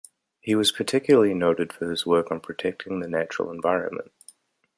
He was particularly noted for his work on protecting the natural environment.